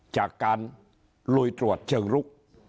จากการลุยตรวจเชิงลุก